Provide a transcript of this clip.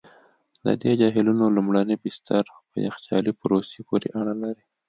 د دې جهیلونو لومړني بستر په یخچالي پروسې پوري اړه لري.